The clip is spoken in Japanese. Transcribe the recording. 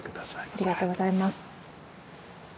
ありがとうございます。